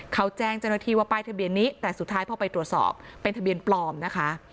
เขาแจ้งเจ้าหน้าที่ว่าป้ายทะเบียนนี้แต่สุดท้ายพอไปตรวจสอบเป็นทะเบียนปลอมนะคะ